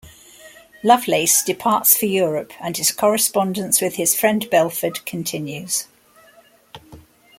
Lovelace departs for Europe and his correspondence with his friend Belford continues.